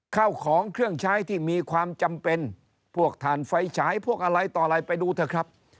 ข้าวของเครื่องใช้ที่มีความจำเป็นพวกถ่านไฟฉายพวกอะไรต่ออะไรไปดูเถอะครับ